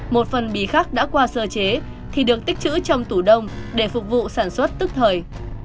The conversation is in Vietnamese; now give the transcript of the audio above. một phần bí khác đã qua sơ chế thì được tích chữ trong tủ đông để phục vụ sản xuất tức thời